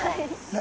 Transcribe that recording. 何？